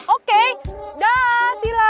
oke dah sila